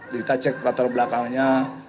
kita cek klator belakangnya